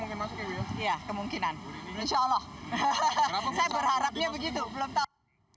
iya kemungkinan insya allah saya berharapnya begitu belum tahu